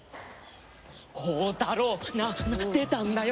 宝太郎！なあ出たんだよ！